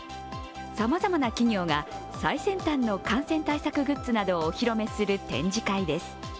さまざまな企業が最先端の感染対策グッズなどをお披露目する展示会です。